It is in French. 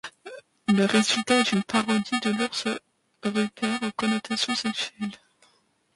Le résultat est une parodie de l'Ours Rupert aux connotations sexuelles.